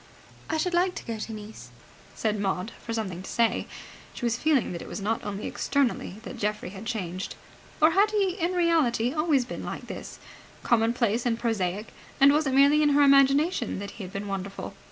"I should like to go to Nice," said Maud, for something to say. She was feeling that it was not only externally that Geoffrey had changed. Or had he in reality always been like this, commonplace and prosaic, and was it merely in her imagination that he had been wonderful?